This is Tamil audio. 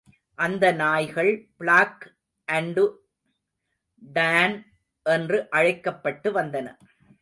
அந்த நாய்கள் பிளாக் அன்டு டான் என்று அழைக்கப்பட்டு வந்தன.